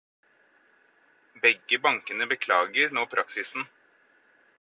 Begge bankene beklager nå praksisen.